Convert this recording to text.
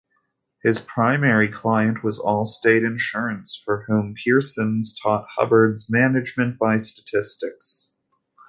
His primary client was Allstate Insurance, for whom Pearson taught Hubbard's 'management by statistics'.